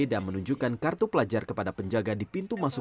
dan menunjukkan kartu pelajar kepada penjaga di pintu masuk ancol